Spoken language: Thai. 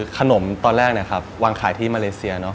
ตอนแรกนะครับวางขายที่มาเลเซีย